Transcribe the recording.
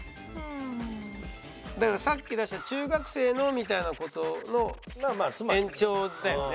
だからさっき出した「中学生の」みたいな事の延長だよね。